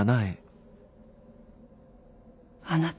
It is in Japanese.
あなた。